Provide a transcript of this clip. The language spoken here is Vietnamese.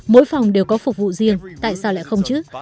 mỗi phòng đều có phục vụ riêng tại sao lại không chứ